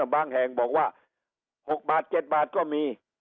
บางแห่งบอกว่า๖บาท๗บาทก็มี